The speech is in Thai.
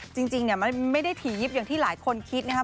จริงเนี่ยมันไม่ได้ถี่ยิบอย่างที่หลายคนคิดนะครับ